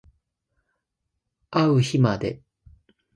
あう日まで